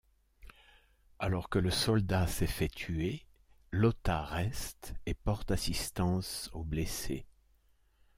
Alors que le soldat s'est fait tuer, Lotta reste et porte assistance aux blessés.